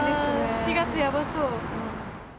７月やばそう。